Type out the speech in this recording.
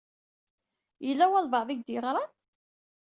Yella walebɛaḍ i ak-d-iɣṛan?